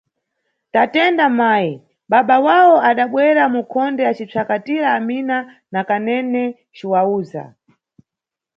Tatenda mayi, baba wawo adabwera mukhonde acisvakatira Amina na Kanene ciwawuza